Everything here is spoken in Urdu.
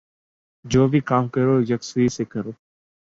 جو بھی کام کرو یکسوئی سے کرو۔